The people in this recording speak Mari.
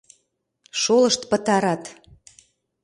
Шолышт пытарат.